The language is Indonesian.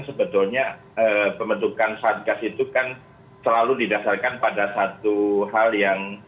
sebetulnya pembentukan satgas itu kan selalu didasarkan pada satu hal yang